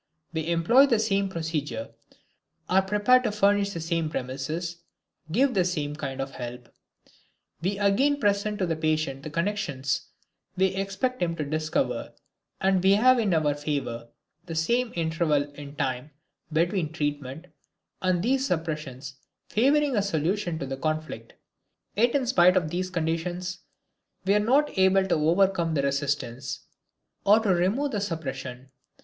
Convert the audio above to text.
We employ the same procedure, are prepared to furnish the same promises, give the same kind of help. We again present to the patient the connections we expect him to discover, and we have in our favor the same interval in time between the treatment and these suppressions favoring a solution of the conflict; yet in spite of these conditions, we are not able to overcome the resistance, or to remove the suppression.